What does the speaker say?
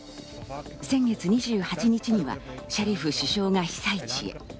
先月２８日にはシャリフ首相が被災地へ。